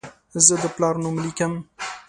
زه د پلار نوم لیکم.